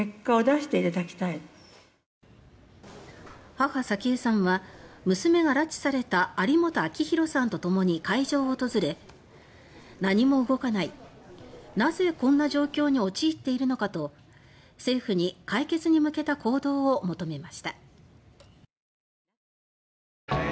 母・早紀江さんは娘が拉致された有本明弘さんと共に会場を訪れ「何も動かないなぜこんな状況に陥っているのか」と政府に解決に向けた行動を求めました。